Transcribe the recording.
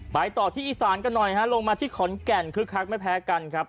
ต่อที่อีสานกันหน่อยฮะลงมาที่ขอนแก่นคึกคักไม่แพ้กันครับ